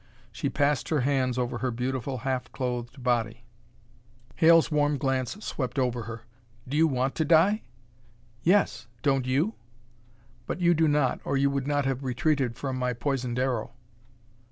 She passed her hands over her beautiful, half clothed body. Hale's warm glance swept over her. "Do you want to die?" "Yes; don't you? But you do not, or you would not have retreated from my poisoned arrow."